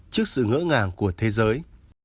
trước sự ngỡ ngàng của thế giới